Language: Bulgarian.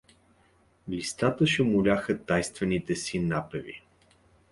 Листата шумоляха тайнствените си напеви.